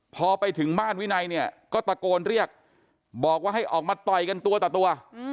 พอไปถึงบ้านวินัยเนี่ยก็ตะโกนเรียกบอกว่าให้ออกมาต่อยกันตัวต่อตัว